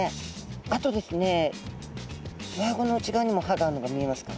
あとですねうわあごの内側にも歯があるのが見えますか？